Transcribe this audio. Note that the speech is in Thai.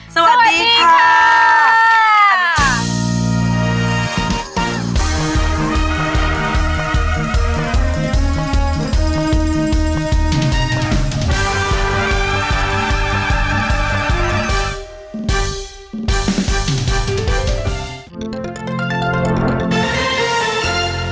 สวัสดีค่ะ